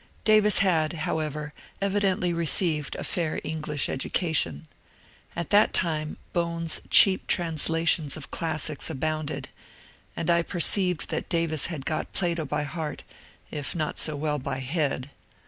Davis had, however, evidently received a fair English educa tion. At that time Bohn's cheap translations of classics abounded, and I perceived that Davis had got Plato by heart if not so well by head.